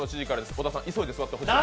小田さん、急いで座ってください。